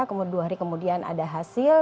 kemudian dua hari kemudian ada hasil